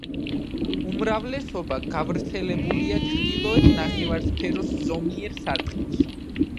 უმრავლესობა გავრცელებულია ჩრდილოეთ ნახევარსფეროს ზომიერ სარტყელში.